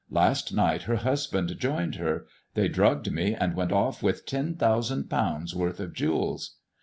Last night her husband joined her. They drugged me and went off with ten thousand pounds* worth of jewels."